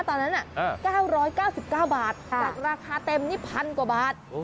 ตอนนั้น๙๙๙บาทจากราคาเต็มนี่๑๐๐กว่าบาท